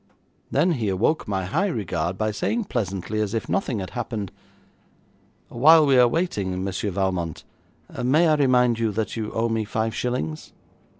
Then he awoke my high regard by saying pleasantly as if nothing had happened, 'While we are waiting, Monsieur Valmont, may I remind you that you owe me five shillings?'